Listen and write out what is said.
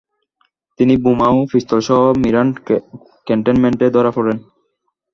তিনি বোমা ও পিস্তলসহ মীরাট ক্যান্টনমেন্টে ধরা পড়েন।